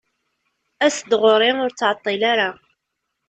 as-d ɣur-i, ur ttɛeṭṭil ara.